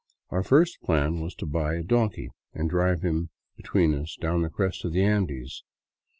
Our first plan was to buy a donkey and drive him between us down the crest of the Andes.